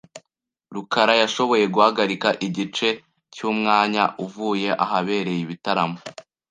rukara yashoboye guhagarika igice cyumwanya uvuye ahabereye ibitaramo .